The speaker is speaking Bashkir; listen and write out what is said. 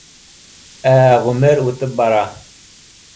Ә ғүмер үтеп бара